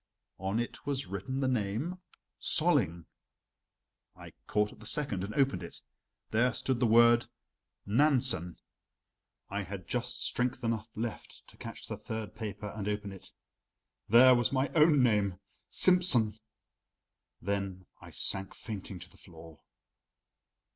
On it was written the name: "Solling." I caught at the second and opened it. There stood the word: "Nansen." I had just strength enough left to catch the third paper and open it there was my own name: "Simsen." Then I sank fainting to the floor.